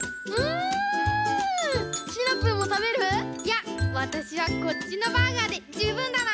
いやわたしはこっちのバーガーでじゅうぶんだな。